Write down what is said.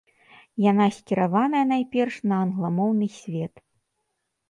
Яна скіраваная найперш на англамоўны свет.